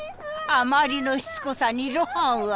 あまりのしつこさに露伴は。